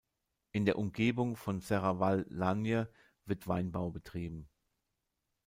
In der Umgebung von Serravalle Langhe wird Weinbau betrieben.